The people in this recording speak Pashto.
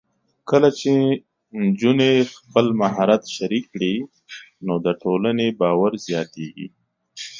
کله چې نجونې خپل مهارت شریک کړي، نو د ټولنې باور زیاتېږي.